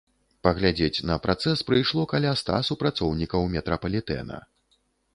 Паглядзець на працэс прыйшло каля ста супрацоўнікаў метрапалітэна.